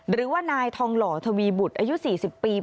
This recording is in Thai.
หรือว่านายทองหล่อเทวีบุรอายุสี่สิบปี